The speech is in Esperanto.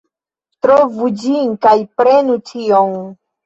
Trovu ĝin kaj prenu ĉion!